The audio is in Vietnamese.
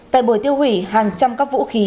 tại buổi tiêu hủy hàng trăm các vũ khí